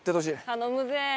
頼むぜ。